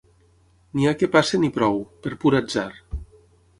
N'hi ha que passen i prou, per pur atzar.